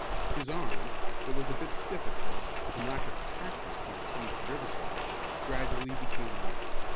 His arm, that was a bit stiff at first, from lack of practice since coming to Riverside, gradually became limber.